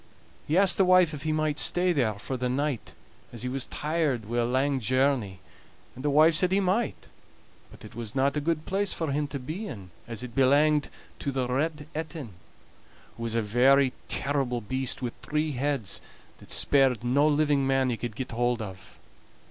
He asked the wife if he might stay there for the night, as he was tired wi' a lang journey; and the wife said he might, but it was not a good place for him to be in, as it belanged to the Red Etin, who was a very terrible beast, wi' three heads, that spared no living man he could get hold of.